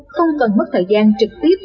không cần mất thời gian trực tiếp